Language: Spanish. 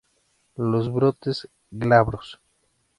Los brotes glabros.